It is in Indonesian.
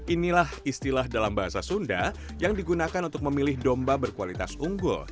inilah istilah dalam bahasa sunda yang digunakan untuk memilih domba berkualitas unggul